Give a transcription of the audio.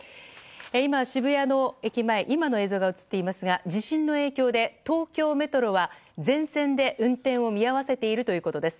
今、渋谷の駅前今の映像が映っていますが地震の影響で東京メトロは全線で運転を見合わせているということです。